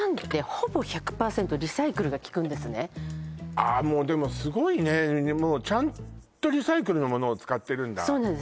ああもうでもすごいねちゃんとリサイクルの物を使ってるんだそうなんです